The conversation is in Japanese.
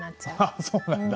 あっそうなんだ。